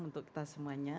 untuk kita semuanya